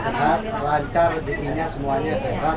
sehat lancar jadinya semuanya sehat